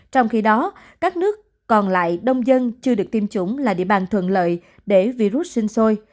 trong khi đó các nước còn lại đông dân chưa được tiêm chủng là địa bàn thuận lợi để virus sinh sôi